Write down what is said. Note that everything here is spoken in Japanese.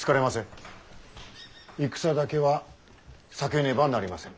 戦だけは避けねばなりません。